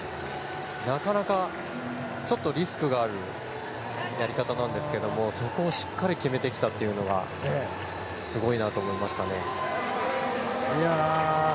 なかなかちょっとリスクがあるやり方なんですけれどもそこをしっかり決めてきたというのがすごいなと思いました。